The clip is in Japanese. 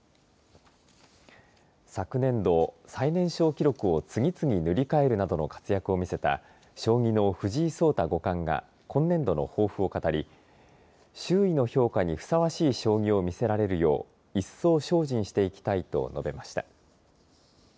昨年度、最年少記録を次々、塗り替えるなどの活躍を見せた将棋の藤井聡太五冠が今年度の抱負を語り周囲の評価にふさわしい将棋を見せられるよう一層精進していきたいと述べました。